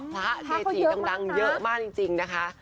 พระเกจิดังเยอะมากจริงนะคะ